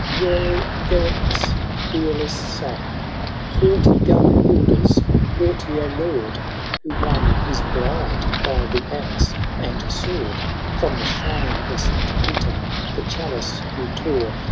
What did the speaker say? Royal Eric's fearless son. Haughty Gunhilda's haughtier lord, Who won his bride by the axe and sword ; From the shrine of St. Peter the chalice who tore.